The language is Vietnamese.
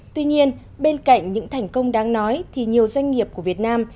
tuy nhiên bên cạnh những thành công đáng nói thì nhiều doanh nghiệp của việt nam